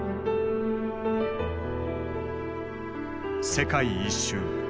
世界一周。